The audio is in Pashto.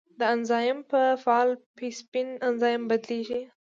دا انزایم په فعال پیپسین انزایم بدلېږي.